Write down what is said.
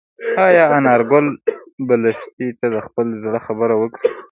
ایا انارګل به لښتې ته د خپل زړه خبره وکړي؟